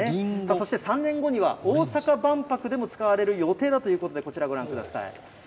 そして３年後には、大阪万博でも使われる予定だということで、こちらご覧ください。